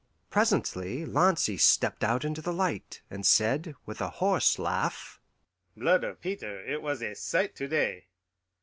Presently Lancy stepped out into the light, and said, with a hoarse laugh, "Blood of Peter, it was a sight to day!